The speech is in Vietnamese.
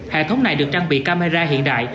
hệ thống này được trang bị camera hiện đại